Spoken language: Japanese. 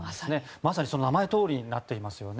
まさにその名前のとおりになっていますよね。